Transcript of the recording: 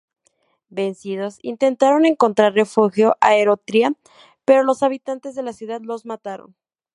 Vencidos, intentaron encontrar refugio a Eretria, pero los habitantes de la ciudad los mataron.